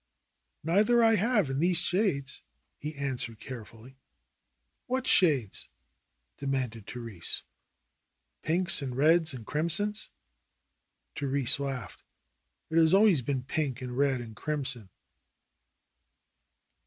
"Neither I have in these shades," he answered care fully. "What shades?" demanded Therese. "Pinks, and reds, and crimsons." Therese laughed. "It has always been pink, and red, and crimson."